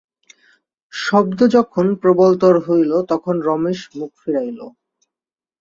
শব্দ যখন প্রবলতর হইল তখন রমেশ মুখ ফিরাইল।